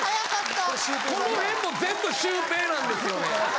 この辺も全部シュウペイなんですよね。